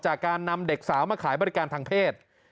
จากการนำเด็กสาวมาขายบริการทางเพศ